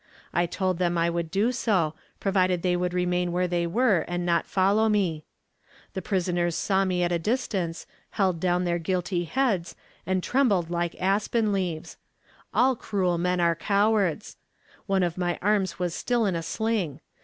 I told them I would do so, provided they would remain where they were and not follow me. The prisoners saw me at a distance, held down their guilty heads, and trembled like aspen leaves. All cruel men are cowards. One of my arms was still in a sling.